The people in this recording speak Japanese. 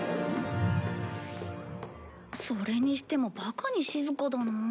それにしてもバカに静かだな。